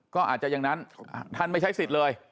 ก็อาจจะอย่างนั้นท่านไม่ใช้สิทธิ์เลย